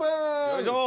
よいしょ。